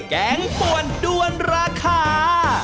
แกงป่วนด้วนราคา